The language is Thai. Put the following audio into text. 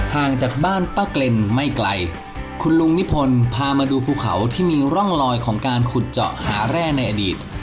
ห่างจากบ้านป้าเกร็นไม่ไกลคุณลุงนิพนธ์พามาดูภูเขาที่มีร่องลอยของการขุดเจาะหาแร่ในอดีต